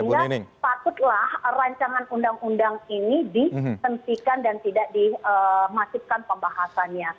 sehingga patutlah rancangan undang undang ini dihentikan dan tidak dimasifkan pembahasannya